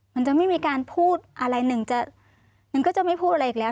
มันจะไม่มีการพูดอะไรหนึ่งจะหนึ่งก็จะไม่พูดอะไรอีกแล้ว